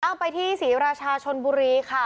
เอาไปที่ศรีราชาชนบุรีค่ะ